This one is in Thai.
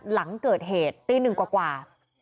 หลังเกิดเหตุตีหนึ่งกว่า